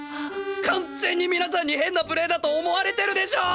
完全に皆さんに変なプレイだと思われてるでしょ！